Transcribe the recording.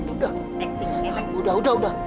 udah udah udah